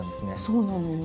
そうなのよ